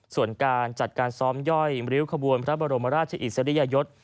ส่วนการจัดการซ้อมย่อยริ้วขบวนพระบรมราชอิสริยยศ